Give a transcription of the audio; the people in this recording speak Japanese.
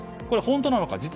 これ本当なのか。